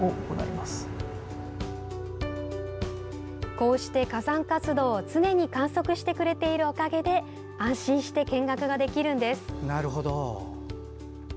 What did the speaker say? こうして火山活動を常に観測してくれているおかげで安心して見学ができるんです。